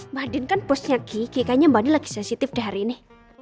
mbak andin kan bosnya gigi kayaknya mbak andin lagi sensitif deh hari ini